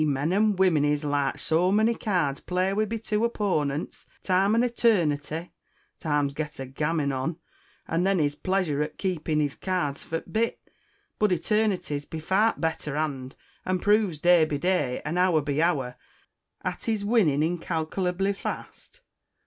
Men an' women is like so monny cards, played wi' be two oppoanents, Time an' Eternity: Time gets a gam' noo an' then, and hez t' pleasure o' keepin' his cards for a bit, bud Eternity's be far t'better hand, an' proves, day be day, an' hoor be hoor, 'at he's winnin incalcalably fast.